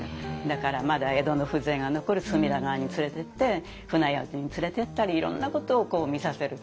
だからまだ江戸の風情が残る隅田川に連れてって船宿に連れていったりいろんなことを見させる。